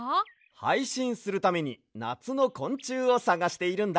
はいしんするためになつのこんちゅうをさがしているんだ。